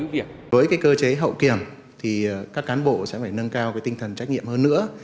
việc với cơ chế hậu kiểm thì các cán bộ sẽ phải nâng cao tinh thần trách nhiệm hơn nữa